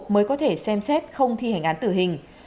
mới có thể xem xét không thi hành án tử hình